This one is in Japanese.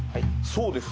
そうです